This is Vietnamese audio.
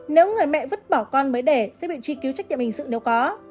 nếu người mẹ vứt bỏ con mới để sẽ bị truy cứu trách nhiệm hình sự nếu có